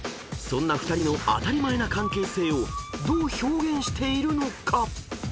［そんな２人の当たり前な関係性をどう表現しているのか］